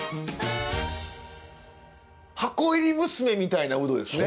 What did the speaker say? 箱入り娘みたいなウドですね。